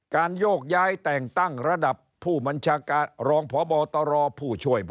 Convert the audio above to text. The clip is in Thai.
โยกย้ายแต่งตั้งระดับผู้บัญชาการรองพบตรผู้ช่วย